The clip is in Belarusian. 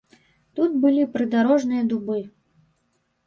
Тут былі прыдарожныя дубы.